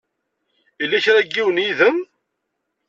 Yella kra n yiwen yid-m?